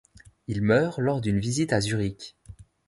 Il meurt lors d'une visite à Zürich.